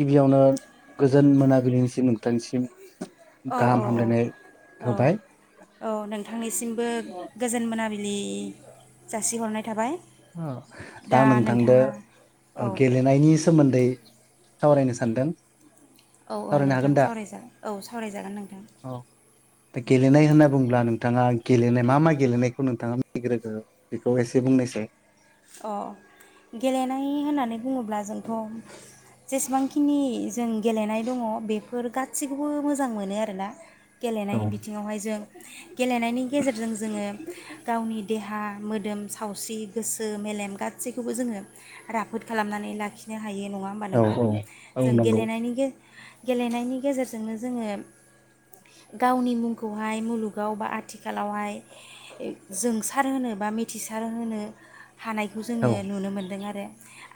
गिबियावनो गोजोन मोनाबिलिनिसिम नोंथांनिसिम औ औ गाहाम हामलायनाय औ होबाय। औ बिलि जासिहरनाय थाबाय दा नोंथांद औ गेलेनायनि सो सोमोन्दै सावरायनो सानदों औ औ सावरायनो हागोन नोंथां दा सावराय जागोन औ सावराय जागोन नोंथां औ दा गेलेनाय होनना बुङोब्ला नोंथाङा गेलेनाय मा मा गेलेनायखौ नोंथाङा मिथिग्रोगो बेखौ एसे बुंनोसै? अ गेलेनाय होननानै बुङोब्ला जोंथ जेसेबांखिनि जों गेलेनाय दङ बेफोर गाससिखौबो मोजां मोनो आरोना औ गेलेनायनि बिथिङावहाय जों गेलेनायनि गेजेरजों जोङो गावनि देहा मोदोम सावस्रि गोस सो मेलेम गासैखौबो जोङो राफोद खालामनानै लाखिनो हायो नङा होमबा औ नोंथां औ औ जों नंगौ गेलेनायनि गे गेलेनायनि गेजेरजोंनो जोङो गावनि मुंखौहाय मुलुगाव बा आथिखालावहाय जोंसार होनो बा मिथिसार होनो हानायखौ औ जोङो नुनो मोनदों आरो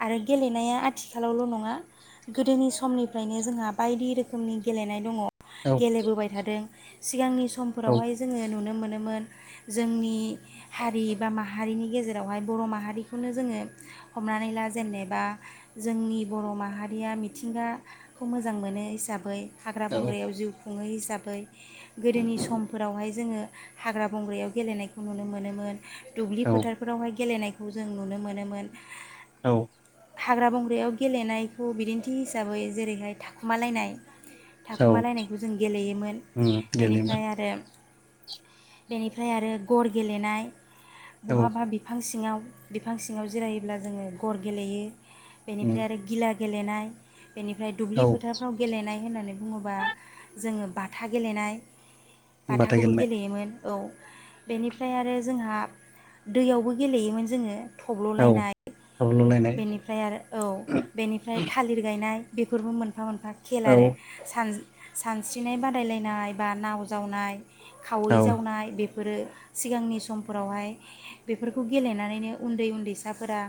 आरो गेलेनाया आथिखालावल नङा गोदोनि समनिफ्रायनो जोंहा बायदि रोखोमनि गेलेनाय दङ औ गेलेबोबाय थादों सिगांनि औ समफोरावहाय जोङो नुनो मोन मोन जोंनि हारि बा माहारिनि गेजेरावहाय बर माहारिखौनो जोङो हमनानै ला जेनेबा जोंनि बर माहारिया मिथिंगाखौ मोजां मोनो हिसाबै हाग्रा बंग्रायाव जिउ खुङै हिसाबै गोदोनि समफोरावहाय जोङो हाग्रा बंग्रायाव गेलेनायखौ नुनो मोनोमोन दुब्लि औ फोथारफोरावहाय गेलेनायखौ जों नुनो मोनोमोन औ हाग्रा बंग्रायाव गेलेनायखौ बिदिन्थि हिसाबै जेरैहाय थाखुमालायनाय औ थाखुमालायनायखौ जों गेलेयोमोन उम गेलेयोमोन बेनिफ्राय आरो बेनिफ्राय आरो गर गेलेनाय औ बहा बा बि सिङाव बिफां सिङाव जिरायोब्ला जोङो गर गेलेयो उम बेनिफ्राय आरो गिला गेलेनाय बेनिफ्राय दुब्लि औ फोथारफ्राव गेलेनाय होननानै बुङोबा जोङो बाथा गेलेनाय बाथा बाथाखौबो गेलेनाय गेलेयोमोन औ बेनिफ्राय आरो जोंहा दैयावबो गेलेयोमोन जोङो औ थब्ललायनाय गावलुलायनाय बेनिफ्राय आरो औ बेनिफ्राय थालिर गायनाय बेफोरबो मोन फा मोनफा खेल औ आरो सान सानस्रिनाय बादायलायनाय बा नाव जावनाय खावै औ जावनाय बे फोरो सिगांनि समफोरावहाय बे फोरखौ गेलेनानैनो उन्दै उन्दैसाफोरा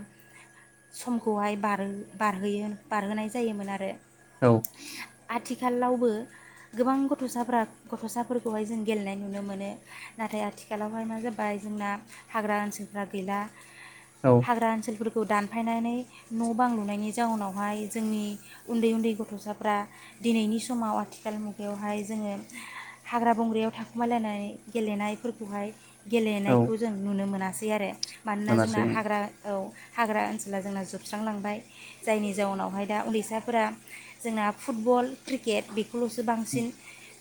समखौहाय बार-बारहोयो बारहोनाय जायोमोन आरो औ आथिखालावबो गोबां गथ'साफ्रा गथ'साफोरखौहाय जों गेलेनाय नुनो मोनो नाथाय आथिखालावहाय मा जाबाय जोंना हाग्रा ओनसोल रा गैला औ हाग्रा ओनसोलफोर खौ दानफायनानै न' बां लुनायनि जाउनावहाय जोंनि उन्दै उन्दै गथ'साफ्रा दिनैनि समाव आथिखाल मुगायावहाय जोङो हाग्रा बंग्रायाव थाखुमालायनानै गेलेनायफोरखौहाय औ गेलेनायखौ जों नुनो मोना बे आरो मानोना जोंना मोनासै हाग्रा औ हाग्रा ओनसोला जोंना जोबस्रांलांबाय जायनि जाउनावहाय दा उन्दैसाफोरा जोंना फुटबल क्रिकेट बे बेल'सो बांसिन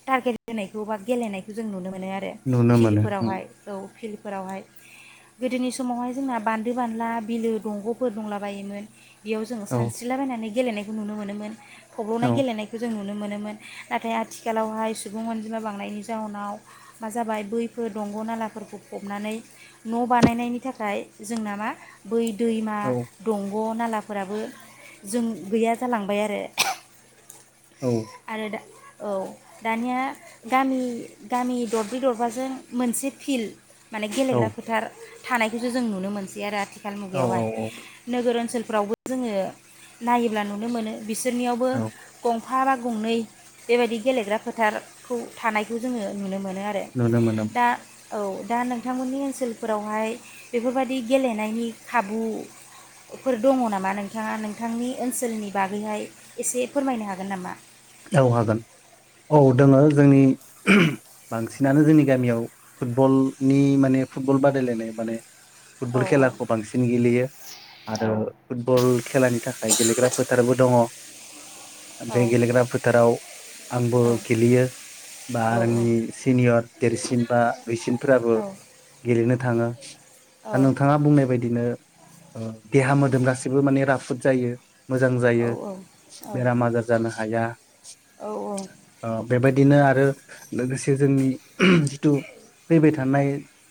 टारगेट होनायखौ बा गेलेनायखौ जों नुनो मोनो आरो नुनो मोनो उम, फिल्डफोरावहाय औ फिल्ड फोरावहाय गोदोनि समावहाय जोंना बान्दो बानला बिलो दंग'फोर दंला बायोमोन। बेयाव जोङो औ सानस्रिलाबायनानै गेलेनायखौ नुनो मोनोमोन। औ थब्ल'नाय गेलेनायखौ जोंङो नुनो मोनोमोन नाथाय आथिखालावहाय सुबुं अनजिमा बांनायनि जाउनाव मा जाबाय बैफोर दंग' नालाफोरखौ फबनानै न' बानायनायनि थाखाय जोंना मा बै दैमा औ दं ग' नालाफोराबो जों गैया जालांबाय आरो। औ आरो दा औ दानिया गामि गामि दरब्रै दरबाजों मोनसे फिल्ड माने गेलेग्रा फोथार थानायखौसो जों नुनो मोनसै आरो आथि आथिखाल औ मुगायावहाय औ नोगोर ओ ओनसोलफ्रावबो जोङो नायोब्ला नुनो मोनो। बिसोरनियावबो औ गं था बा गंनै बेबायदि गेलेग्रा फोथारखौ थानायखौ जोङो नुनो मोनो। मोनो आरो नुनो मोनो दा औ दा नोंथांमोननि ओनसोल फोरावहाय बेफोरबायदि गेलेनायनि खाबुफोर दङ नामा नोंथाङा नोंथांनि ओनसोलनि बागैहाय एसे फोरमायनो हागोन नामा? औ हागोन औ दोङो जोंनि बांसिनानो जोंनि गामियाव फुटबलनि माने फुटबल बादायलायनाय माने फुटबल खेलाखौ बांसिन गेलेयो आरो फुटबल खेलानि थाखाय गेलेग्रा फोथारबो दङ। बे गेलेग्रा फोथ फोथाराव आंबो गेलेयो बा आंनि सिनियर देरसिन बा दुइसिनफोराबो गेलेनो थाङो दा नोंथाङा बुंनाय बायदिनो देहा मोदोम गासिबो माने राफोद जायो मोजां जायो बेराम आजार जानो हाया खारनायखौ ओ बेबायदिनो आरो लोगोसे जोंनि जिथु फैबाय थानाय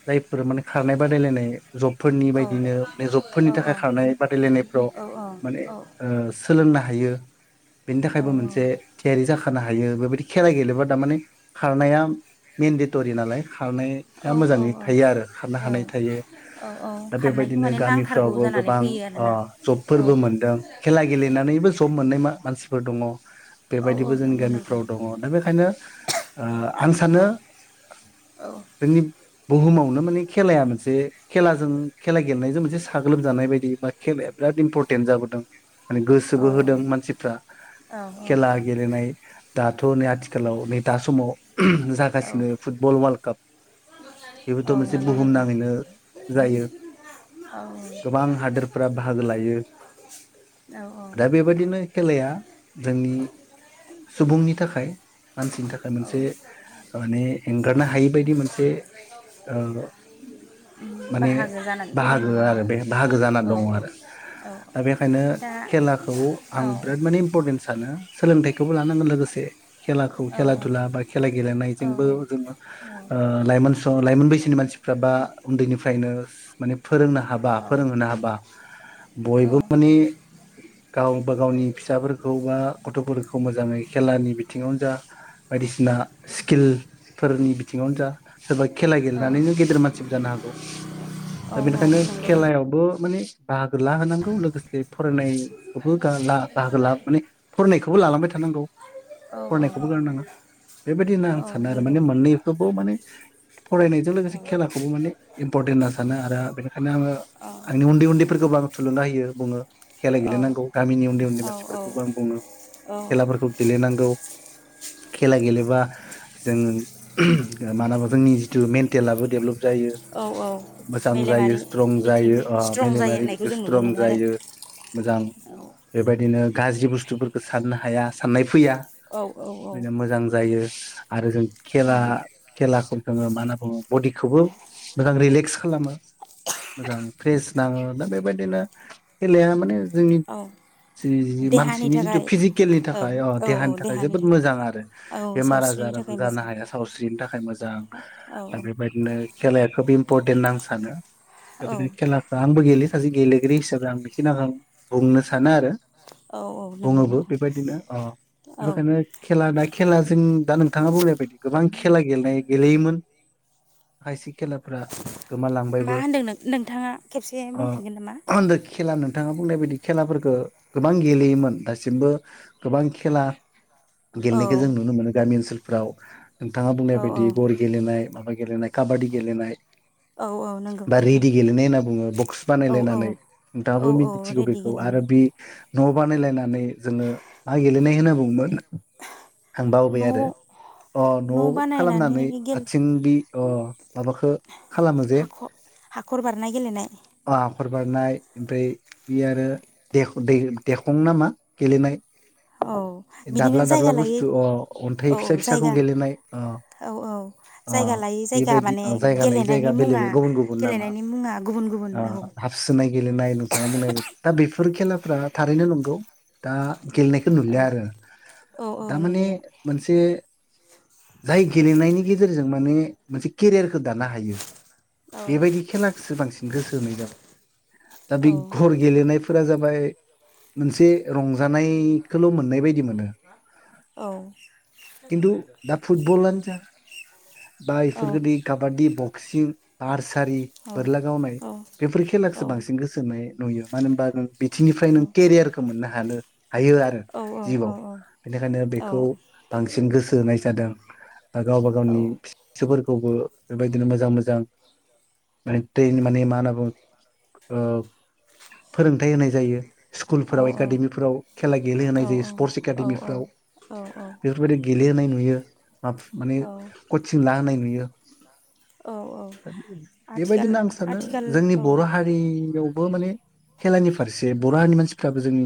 जायफोर माने खारनाय बादायलायनाय जबफोरनि बायदिनो मान जबफोरनि थाखाय खारनाय बादायलायनायफ्राव माने सोलोंनो हायो हायो बेनि थाखायबो मोनसे थियारि जाखानो हायो बेबायदि खेला गेलेबा थारमाने खारनाया मेन्डेटरि नालाय खारनाया मोजाङै थायो आरो खारनो हानाय थायो दा बेबायदिनो माने नांथारगौ गामिफ्रावबो जानानै गोबां फैयो ओ जबफोरबो मोनदों खेला गेलेनानैबो जब मोननाय मा मानसिफोर दङ आरोना औ बेबायदिबो जोंनि नंगौ गामिफ्राव नोंथां दङ दा बेखायनो आं औ सानो औ जोंनि बुहुमावनो माने खेलाया मोनसे खेलाजों खेला गेलेनायजों मोनसे साग्लोबजानाय बायदि बा खेलाया बिराद इम्परटेन्ट जाबोदों माने औ गोसोबो होदों मानसिफ्रा औ खेला गेलेनाय दाथ नै आथिखालाव नै दा समाव उह औ जागासिनो फुटबल वाल्द काप बेबोथ औ मोनसे नंगौ बुहुम नोंथां नाङैनो जायो औ गोबां हादोरफ्रा बाहागो लायो औ औ दा बेबायदिनो खेलाया [unintelligible] सुबुंनि थाखाय मानसिनि थाखाय औ मोनसे माने एंगारनो हायै बायदि मोनसे बाहागो जानानै फैबाय बाहागो नङा आरो होमबा बे बाहागो जानानानै औ दङ आरो औ दा बेनिखायनो दा खेलाखौ आं औ बिराद माने इम्फरतेन सोलोंथाइखौबो लानांगोन लोगोसे खेलाखौ औ खेला दुला बा खेला गेले औ लाइमोन बैसोनि मानसि फ्राबा उन्दैनिफ्रायनो माने फोरोंनो हाबा औ फोरोंहोनो हाबा बयबो औ माने गावबा गावनि फिसाफोरखौ गथफोरखौ मोजाङै खेलानि बिथिङावनो जा बायदिसिना स्किल फोरनि बिथिङावनो जा सोरबा खेला औ गेलेनानैनो गेदेर मानसिफोर जानो हागौ दा बेनिखायनो नंगौ खेलायावबो माने बाहागो लाहोनांगौ लोगोसे फरायनायबो बाहागो ला माने फरायनायखौबो लालांबाय थानांगौ औ नंगौ औ फरायनायखौबो गारनाङा बेबायदि होनना आं सानो आरो माने मोननैखौबो माने फरायनायजों लोगोसे खेलाखौबो माने इम्परटेन्ट होनना सानो आरो बेनिखायनो आङो आंनि उन्दै उन्दैफोरखौबो आङ थुलुंगा होयो बुङो खेला गेलेनांगौ गामिनि उन्दै उन्दै मानसि फोरखौबो आं औ बुङो औ खेलाफोरखौ गेलेनांगौ खेला गेलेबा। जों मालाबा। जोंनि जिथु मेन्टेआबो डेभप औ औ मोजां जायो मेलेमारि स्ट्रं जायो बिथिङै स्ट्रं जायो मेलेमारि होननायखौ बिदि जों नुनो स्ट्रं मोनो जायो मोजां आरो बेबायदिनो। गाज्रि बुस्थुफोरखौ साननो हाया साननाय फैया। औ औ औ बिनो मोजां जायो। आरो जों। औ खेला खेलाखौ जोङो मा। बडिखौबो मोजां रिलेक्स खालामो मोजां फ्रेस नाङो दा बेबायदिनो खेलाया माने। जोंनि औ देहानि मानसिनि जिथु थाखाय फिजिकेलनि औ थाखाय अ औ औ देहानि थाखाय जोबोद मोजां आरो औ बेमार सावस्रिनि आजाराबो थाखाय जानो मोजां हाया सावस्रिनि थाखाय मोजां औ आरो औ बेबायदिनो खेला खोब इम्परटेन्ट आं सानो। [inaudible] औ माखासे गेलेगिरि हिसाबै आं बेखिनि आं बुंनो सानो आरो। औ औ नंगौ बुङोबो नोंथां बेबायदिनो अ औ बेखायनो खेला दा खेलाजों दा नोंथाङा बुंनाय बायदि गोबां। खेला गेलेनाय गेलेयोमोन खायसे खेलाफ्रा मा गोमालांबायबो होनदों नोंथाङा खेबसे बुंफिनगोन नामा। अ खेला नोंथाङा बुंनाय बायदि खेलाफोरखौ गोबां गेलेयोमोन दासिमबो गोबां खेला गेलनायखौ जों औ नुनो मोनो गामि ओनसोल फ्राव नोंथाङा बुंनाय औ औ बायदि गर गेलेनाय माबा गेलेनाय काबादि गेलेनाय औ औ नंगौ बा नोंथां रेडि गेलेनाय होनना बुङो बक्स औ औ बानायलायनानै औ नोंथाङाबो औ मिदिथिगौ रेडि बेखौ आरो गेलेनाय बे न' बानायलायनानै जोङो आइ गेलेनाय होनना बुंङोमोन आं बावबाय आरो न' अ न'आव न' बानायनानै खालामनानै गेल आथिंनि माबाखौ खालामो जे हाखर हाखर बारनाय गेलेनाय हाखर बारनाय ओमफ्राय बे आरो देख' ना मा गेलेनाय औ बिदिनो दाब्ला दाब्ला जायगा लायै बुस्थु अन्थाइ औ फिसा फिसाखौ जायगा गेलेनाय औ औ जायगा लायै जायगा बेबायदि माने जायगा लायै जायगा गेलेनायनि बेले मुङा बे गुबुन गुबुन नामा गेलेनायनि मुङा गुबुन गुबुन औ हाबसोनाय गेलेनाय नोंथाङा बुंनाय बायदि दा बे फोर खेलाफ्रा थारैनो नंगौ दा गेलेनायखौ औ नुलिया आरो औ औ दा माने नुलिया मोनसे जाय गेलेनायनि गेजेरजों माने मोनसे केरियारखौ दानो हायो। औ बेबायदि खेलाखौसो बांसिन गोसो होनाय जाबाय दा बे औ घर गेलेनायफोर जाबाय मोनसे रंजानायखौल मोननाय बायदि मोनो औ खिन्टु दा फुटबलानो जा दा एफोरबायदि औ काबिदि [unintelligible] बोरला गावनाय औ बेफोर खेलाखौसो औ बांसिन गोसोमै नुयो मानो होमबा [unintelligible] बिथिंनिफ्रायनो औ केरियारखौ मोननो हानो हायो आरो औ औ औ जिउआव बेनिखायनो बेखौ बांसिन गोसो होनाय जादों। गावबा गावनि फिसा फिसौफोरखौबो बेबायदिनो मोजां मोजां माने एकदम माने मा होनना बुङो फोरोंथाइ होनाय जायो स्कुलफोराव एकादेमिफोराव खेला गेलेहोनाय जायो स्पर्टस एकादेमिफ्राव औ बेफोरबायदि गेलेहोनाय नुयो बेयो माने औ कचिं लाहोनाय नुयो [inaudible] औ आथिखाल बेबायदिनो आं सानो आथिखाल जोंनि औ बर' हारियावबो माने खेलानि फारसे बर' हारिनि मानसिफ्राबो जोंनि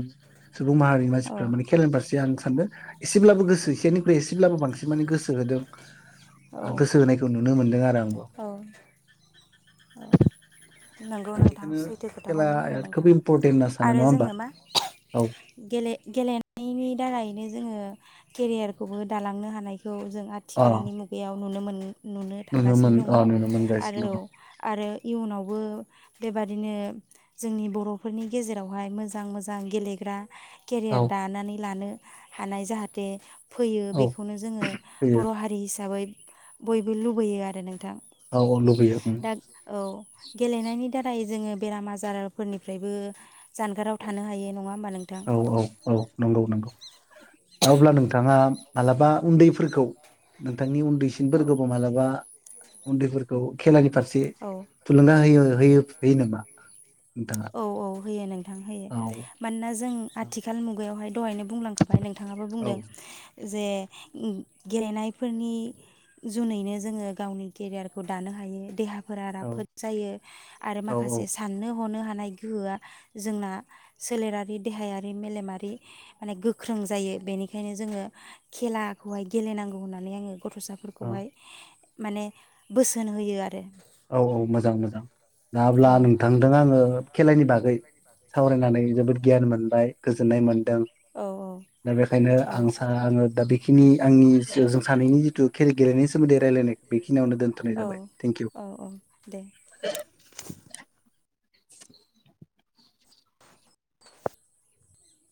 सुबुं माहारिनि मानसिफ्रा माने औ खेलानि फारसे आं सानो एसेब्लाबो गोसो एसोरनिफ्राय एसेब्लाबो बांसिनै माने गोसो होदों। औ गोसो होनायखौ नुनो मोनदों आरो आं। [inaudible] औ नंगौ नोंथां सैथो खोथाखौनो बुंदों खोब नोंथाङा इम्परटेन्ट होनना सानो आरो नङा होमबा जोङो मा औ गेले- गेलेनायनि दारैनो जोङो केरियारखौबो दालांनो हानाय खौ जों अ आथिखालनि मुगायाव नुनो मोन नुनो थांगासिनो। मोन दङ अ नुनो मोनगासिनो आरोऔ दङ आरो इयुनावबो बेबादिनो जोंनि बर'फोरनि गेजेरावहाय मोजां मोजां गेलेग्रा केरियार औ दानानै लानो हानाय जाहाथे फैयो औ बेखौनो जोङो फैयो बर' हारि हिसाबै बयबो लुबैयो आरो नों थां औ औ लुबैयो उम। दा औ गेलेनायनि नाथाय जोङो बेराम आजारफोरनिफ्रायबो जानगाराव थानो हायो नङा होमबा नोंथां औ औ औ नंगौ नंगौ। दा अब्ला नोंथाङा मालाबा उन्दैफोरखौ नोंथांनि उन औ दैसिनफोरखौबो मालाबा उन्दैफोरखौ खेलानि फारसे औ थुलुंगा हो होयोफ होयो नामा? नोंथाङा? औ औ होयो नोंथां होयो औ मानोना जो जों आथिखाल मुगायाव दहायनो बुंलांखाबाय नोंथाङाबो औ बुंदों। जे गेलेनायफोरनि जुनैनो जोङो गावनि केरियारखौ दानो हायो देहा फोरा औ राफोद जायो आरो औ माखासे साननो हनो हा नाय गोहोआ जोंना सोलेरारि देहायारि मेलेमारि माने गोख्रों जायो बेनिखायनो जोङो खेलाखौहाय गेलेनांगौ होननानै आङो गथ'सा औ फोरखौहाय माने बोसोन होयो आरो। औ औ मोजां मोजां। दा अब्ला औ नोंथांदों आङो खेलानि बागै सावरायनानै जोबोद गियान मोनबाय गोजोननाय मोन दों औ दा बेखायनो औ आं [unintelligible] बेखिनि आंनि [unintelligible] जों सानैनि जिथु खेल गेलेनायनि सोमोन्दै रायजलायनायखौ बेखिनि खिनियावनो दोनथ'नाय जाबाय थेंकिउ। अ दे।